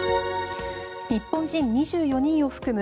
日本人２４人を含む